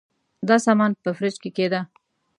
دا سامان په فریج کي کښېږده.